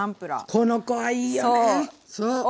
この子はいいよね！